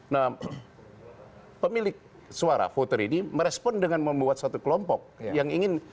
nah pemilik suara voter ini merespon dengan membuat satu kelompok yang ingin